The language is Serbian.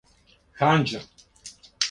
ханђа